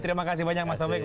terima kasih banyak mas taufik